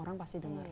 orang pasti denger